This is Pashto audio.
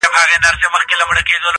• زه په تیارو کي چي ډېوه ستایمه..